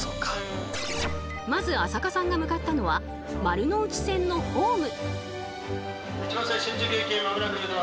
まず朝香さんが向かったのは丸ノ内線のホーム。